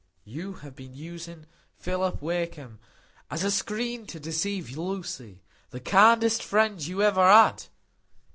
You have been using Philip Wakem as a screen to deceive Lucy,—the kindest friend you ever had.